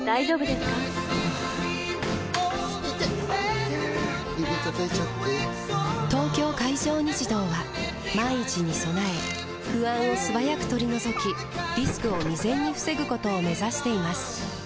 指たたいちゃって・・・「東京海上日動」は万一に備え不安を素早く取り除きリスクを未然に防ぐことを目指しています